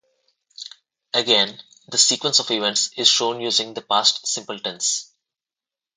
Again, the sequence of events is shown using the past simple tense.